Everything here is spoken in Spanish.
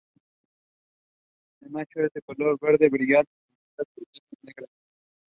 El macho es de color verde brillante, con patas y antenas negras.